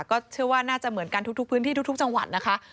ก็เชื่อว่าน่าจะเหมือนกันทุกพื้นที่ทุกจังหวัดนะคะ